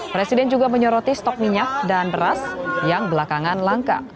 presiden juga menyoroti stok minyak dan beras yang belakangan langka